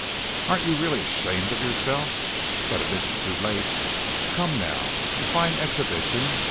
Aren't you really ashamed of yourself? But it isn't too late. Come now a fine exhibition!